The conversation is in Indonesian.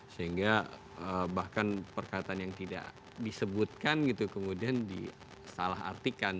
sehingga bahkan perkataan yang tidak disebutkan gitu kemudian disalah artikan